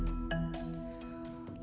lalu di sini ada dizi lalu dengan dizi solomai